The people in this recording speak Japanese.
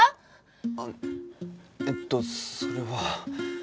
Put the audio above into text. あのえっとそれは。